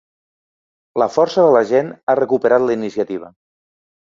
La força de la gent ha recuperat la iniciativa.